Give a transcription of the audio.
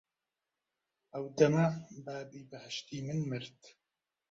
ئەو دەمە بابی بەهەشتی من مرد